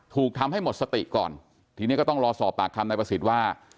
ถูกทำให้หมดสติก่อนทีนี้ก็ต้องรอสอบปากคำนายประสิทธิ์ว่า